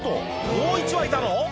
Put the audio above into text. もう１羽いたの？